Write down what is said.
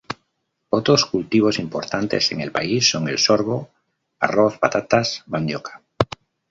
Otros cultivos importantes en el país son el sorgo, arroz, patatas, mandioca.